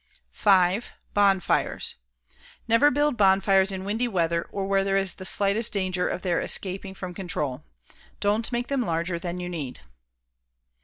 5. Bonfires. Never build bonfires in windy weather or where there is the slightest danger of their escaping from control. Don't make them larger than you need.